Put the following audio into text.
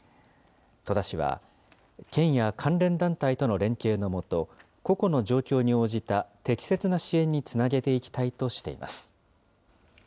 戸田市は、県や関連団体との連携のもと、個々の状況に応じた適切な支援につなげていきたいとしています。